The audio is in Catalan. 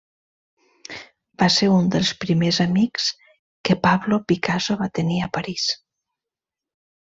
Va ser un dels primers amics que Pablo Picasso va tenir a París.